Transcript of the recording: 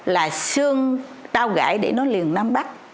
là xương tao gãy để nó liền nam bắc